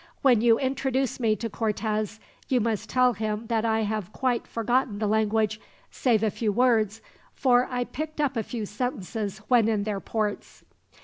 When you introduce me to Cortez, you must tell him that I have quite forgotten the language, save a few words for I picked up a few sentences when in their ports."